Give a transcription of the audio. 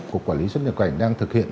cục quản lý xuất nhập cảnh đang thực hiện